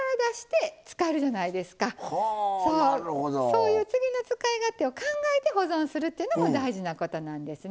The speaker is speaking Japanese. そういう次の使い勝手を考えて保存するっていうのも大事なことなんですね。